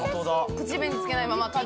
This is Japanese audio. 「くち紅つけないままか」